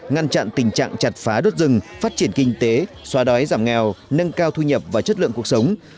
ngăn chặn tình trạng chặt phá đốt rừng phát triển kinh tế xoa đói giảm nghèo nâng cao thu nhập và chất lượng cuộc sống